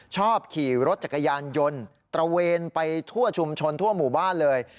ชอบขี่รถจักรยานยนต์ตระเวนไปทั่วชุมชนทั่วหมู่บ้านเลย